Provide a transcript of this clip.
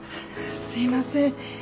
すいません。